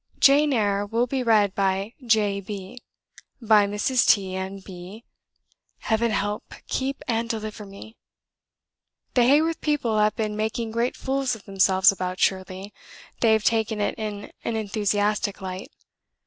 "Jane Eyre" will be read by J B , by Mrs. T , and B . Heaven help, keep, and deliver me!" ... "The Haworth people have been making great fools of themselves about Shirley; they have taken it in an enthusiastic light.